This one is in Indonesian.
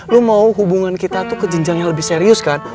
lu mau hubungan kita tuh ke jenjang yang lebih serius kan